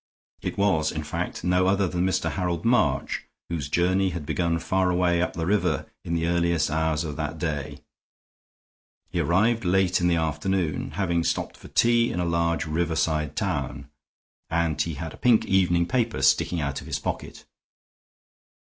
It was, in fact, no other than Mr. Harold March, whose journey had begun far away up the river in the earliest hours of that day. He arrived late in the afternoon, having stopped for tea in a large riverside town, and he had a pink evening paper sticking out of his pocket.